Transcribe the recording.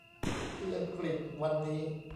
ที่อังกฤษวันนี้